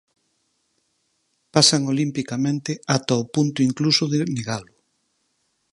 Pasan olimpicamente ata o punto incluso de negalo.